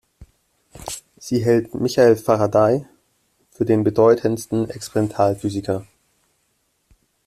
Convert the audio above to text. Sie hält Michael Faraday für den bedeutendsten Experimentalphysiker.